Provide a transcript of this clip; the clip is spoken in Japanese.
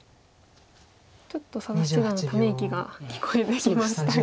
ちょっと佐田七段のため息が聞こえてきましたが。